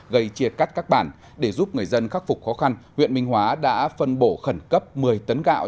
gây chia cắt các bản để giúp người dân khắc phục khó khăn huyện minh hóa đã phân bổ khẩn cấp một mươi tấn gạo